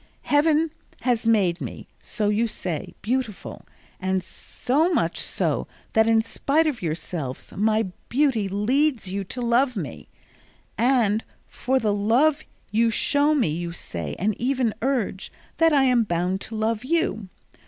Heaven has made me, so you say, beautiful, and so much so that in spite of yourselves my beauty leads you to love me; and for the love you show me you say, and even urge, that I am bound to love you.